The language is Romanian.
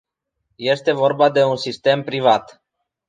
Este vorba de un sistem privat.